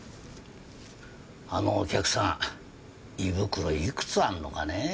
あのお客さん胃袋いくつあんのかね？